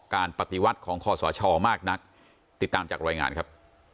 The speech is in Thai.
ปฏิวัติของคอสชมากนักติดตามจากรายงานครับ